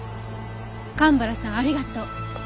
蒲原さんありがとう。